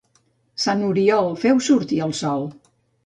Sant Oriol, feu sortir el sol.